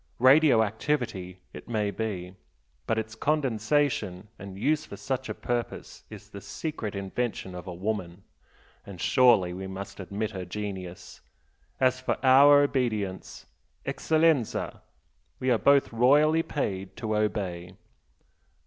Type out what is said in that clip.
Radio activity it may be but its condensation and use for such a purpose is the secret invention of a woman and surely we must admit her genius! As for our obedience ECCELLENZA, we are both royally paid to obey!"